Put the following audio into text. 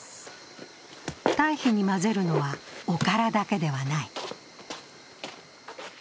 堆肥に混ぜるのは、おからだけではない。